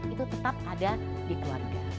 itu tetap ada di keluarga